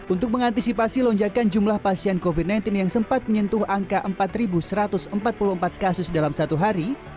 untuk mengantisipasi lonjakan jumlah pasien covid sembilan belas yang sempat menyentuh angka empat satu ratus empat puluh empat kasus dalam satu hari